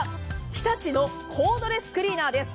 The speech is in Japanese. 日立のコードレスクリーナーです。